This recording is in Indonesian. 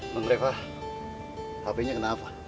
mbak greva hp nya kenapa